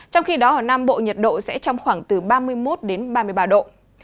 trong khi đó ở nam bộ nhiệt độ sẽ trong khoảng từ ba mươi một đến ba mươi ba độ